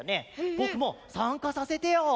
ぼくもさんかさせてよ！